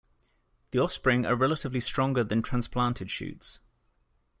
The offspring are relatively stronger than transplanted shoots.